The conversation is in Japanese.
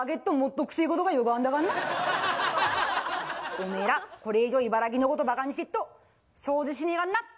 おめえらこれ以上茨城のことバカにしてっと承知しねぇかんな！